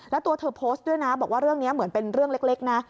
แล้วตัวเธอโพสต์ด้วยนะบอกว่าเรื่องนี้เหมือนเป็นเรื่องเล็กนะ